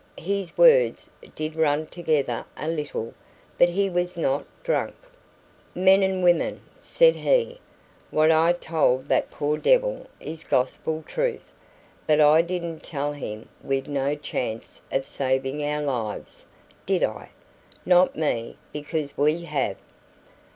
His words did run together a little, but he was not drunk. "Men and women," said he, "what I told that poor devil is Gospel truth; but I didn't tell him we'd no chance of saving our lives, did I? Not me, because we have!